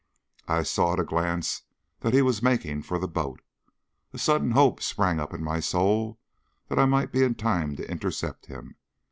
I saw at a glance that he was making for the boat. A sudden hope sprang up in my soul that I might be in time to intercept him.